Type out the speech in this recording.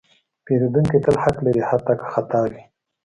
پیرودونکی تل حق لري، حتی که خطا وي.